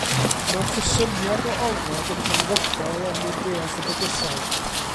Mae'r cysyniad o ofod yn hanfodol er mwyn deall y bydysawd.